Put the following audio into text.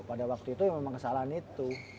pada waktu itu memang kesalahan itu